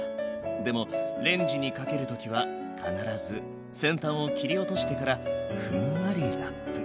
でもレンジにかける時は必ず先端を切り落としてからふんわりラップ。